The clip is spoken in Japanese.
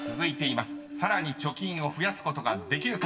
［さらに貯金を増やすことができるか。